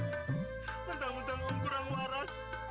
mentang mentang om kurang waras